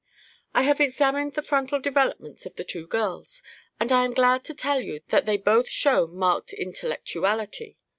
"I have examined the frontal developments of the two girls, and I am glad to tell you that they both show marked intellectuality.